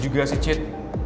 lo juga sih cit